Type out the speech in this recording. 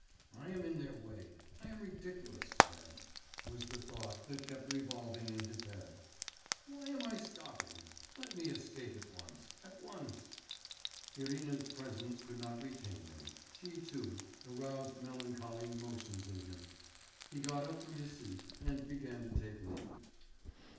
I am in their way, I am ridiculous to them,' was the thought that kept revolving in his head. 'Why am I stopping? Let me escape at once, at once.' Irina's presence could not retain him; she, too, aroused melancholy emotions in him. He got up from his seat and began to take leave.